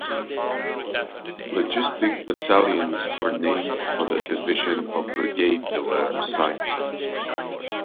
Logistic battalions were named for the division or brigade they were assigned to.